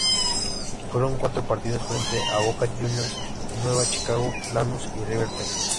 Fueron cuatro partidos, frente a Boca Juniors, Nueva Chicago, Lanús y River Plate.